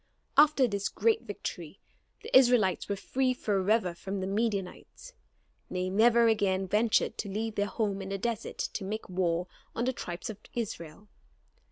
After this great victory the Israelites were freed forever from the Midianites. They never again ventured to leave their home in the desert to make war on the tribes of Israel.